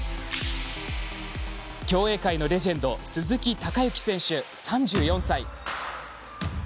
競泳界のレジェンド鈴木孝幸選手、３４歳。